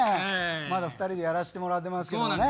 まだ２人でやらしてもらってますけどね。